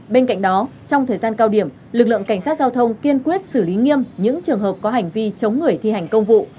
bên cạnh đó trong thời gian cao điểm lực lượng cảnh sát giao thông kiên quyết xử lý nghiêm những trường hợp có hành vi chống người thi hành công vụ